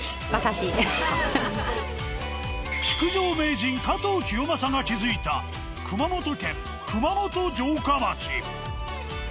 築城名人加藤清正が築いた熊本県熊本城下町。